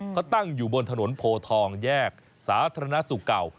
เขาตั้งอยู่บนถนนโพทองแยกสาธารณสุขเก่า